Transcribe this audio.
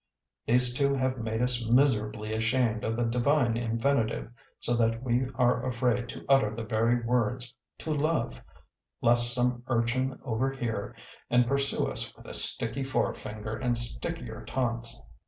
These two have made us miserably ashamed of the divine infinitive, so that we are afraid to utter the very words "to love," lest some urchin overhear and pursue us with a sticky forefinger and stickier taunts.